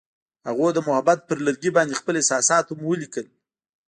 هغوی د محبت پر لرګي باندې خپل احساسات هم لیکل.